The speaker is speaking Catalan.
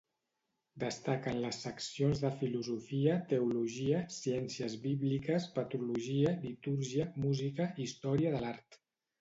Destaquen les seccions de filosofia, teologia, ciències bíbliques, patrologia, litúrgia, música, història de l'art.